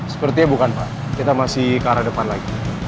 sepertinya bukan pak kita masih ke arah depan lagi